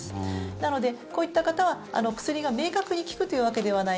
なので、こういった方は薬が明確に効くというわけではない。